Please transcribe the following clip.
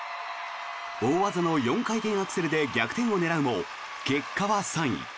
大技の４回転アクセルで逆転を狙うも結果は３位。